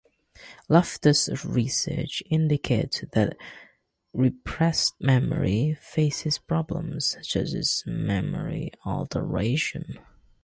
Loftus' research indicates that repressed memory faces problems, such as memory alteration.